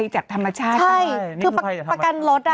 หรือเป็น